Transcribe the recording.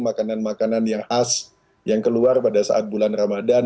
makanan makanan yang as yang keluar pada saat bulan ramadan